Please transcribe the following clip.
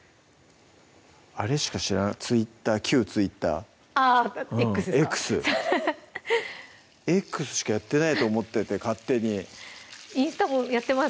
あれしか知らなかった旧ＴｗｉｔｔｅｒあっＸですかＸＸしかやってないと思ってて勝手にインスタもやってます